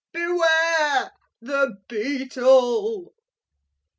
Beware! The Beetle!